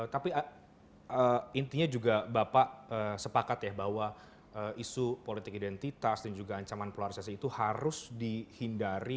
tapi intinya juga bapak sepakat ya bahwa isu politik identitas dan juga ancaman polarisasi itu harus dihindari